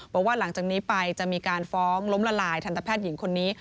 บอกว่าหลังจากนี้ไปจะมีการฟ้องล้มละลายทันตแพทย์หญิงคนนี้